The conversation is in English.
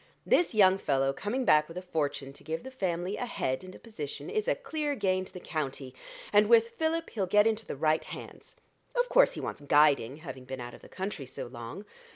This young fellow coming back with a fortune to give the family a head and a position is a clear gain to the county; and with Philip he'll get into the right hands of course he wants guiding, having been out of the country so long.